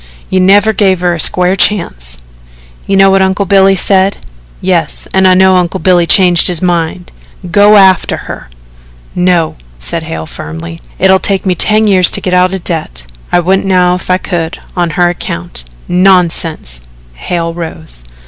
You never gave her a square chance." "You know what Uncle Billy said?" "Yes, an' I know Uncle Billy changed his mind. Go after her." "No," said Hale firmly. "It'll take me ten years to get out of debt. I wouldn't now if I could on her account." "Nonsense." Hale rose.